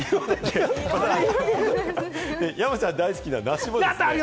山ちゃんが大好きな梨。